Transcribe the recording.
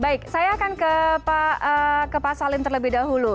baik saya akan ke pak salim terlebih dahulu